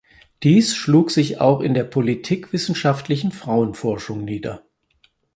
Dies schlug sich auch in der politikwissenschaftlichen Frauenforschung nieder.